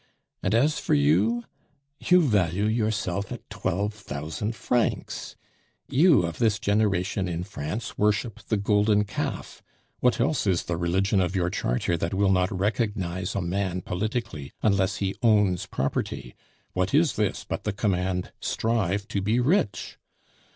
And as for you, you value yourself at twelve thousand francs! You of this generation in France worship the golden calf; what else is the religion of your Charter that will not recognize a man politically unless he owns property? What is this but the command, 'Strive to be rich?